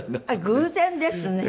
偶然ですね！